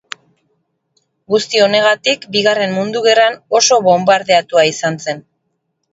Guzti honegatik Bigarren Mundu Gerran oso bonbardatua izan zen.